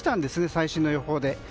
最新の予報で。